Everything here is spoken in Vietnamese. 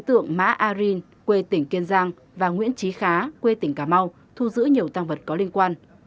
trương nhật hào và nguyễn trí khá quê tỉnh cà mau thu giữ nhiều tăng vật có liên quan